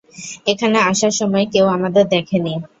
এখানে আসার সময় কেউ আমাদের দেখে নি।